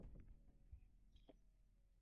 "You are," said the Voice.